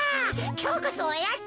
きょうこそおやつ。